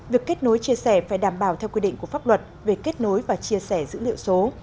việc kết nối chia sẻ phải đảm bảo theo quy định của pháp luật về kết nối và chia sẻ dữ liệu số